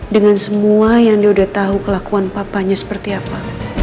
dengan semua yang dia udah tahu kelakuan papanya seperti apa